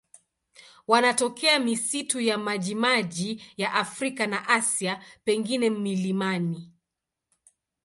Wanatokea misitu ya majimaji ya Afrika na Asia, pengine milimani.